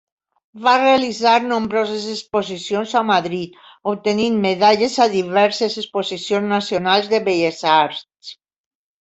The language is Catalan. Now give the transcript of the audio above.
Va realitzar nombroses exposicions a Madrid, obtenint medalles a diverses exposicions Nacionals de Belles Arts.